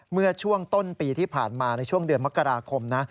เมื่อช่วงต้นปีที่ผ่านมาในช่วงเดือนมกราคมนะ